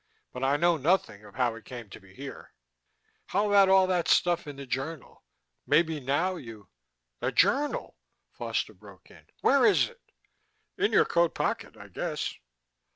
"But I know nothing of how it came to be here." "How about all that stuff in the journal? Maybe now you " "The journal!" Foster broke in. "Where is it?" "In your coat pocket, I guess."